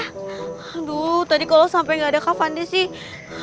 aduh tadi kalau sampai gak ada kak fandi sih